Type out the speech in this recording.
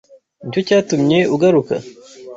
Nicyo cyatumye ugaruka?